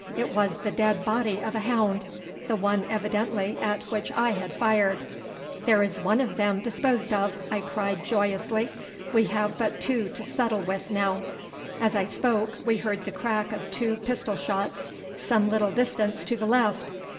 It was the dead body of a hound the one evidently at which I had fired. 'There is one of them disposed of, 'I cried joyously; 'we have but two to settle with now.' 'As I spoke we heard the crack of two pistol shots some little distance to the left.